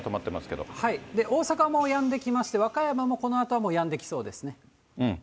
けれ大阪もやんできまして、和歌山もこのあとはやんできそうですね。